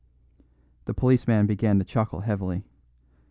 The policeman began to chuckle heavily.